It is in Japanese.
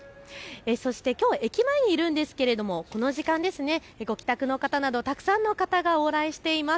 そしてきょう駅前にいるんですがこの時間、ご帰宅の方などたくさんの方が往来しています。